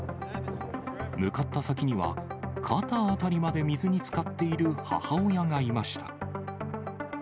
向かった先には、肩辺りまで水につかっている母親がいました。